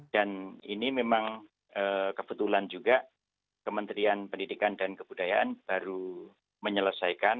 dan ini memang kebetulan juga kementerian pendidikan dan kebudayaan baru menyelesaikan